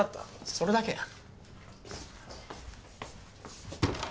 それだけや。